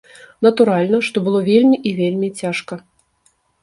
Натуральна, што было вельмі і вельмі цяжка.